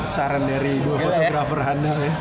saran dari dua fotografer handal ya